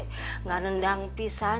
tidak mendengarkan pisan